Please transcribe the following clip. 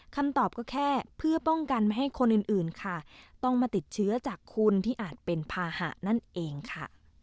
คำตอบก็แค่เพื่อป้องกันไม่ให้คนอื่นค่ะต้องมาติดเชื้อจากคุณที่อาจเป็นภาหะนั่นเองค่ะ